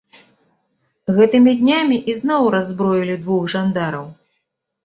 Гэтымі днямі ізноў раззброілі двух жандараў.